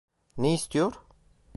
Ne istiyor?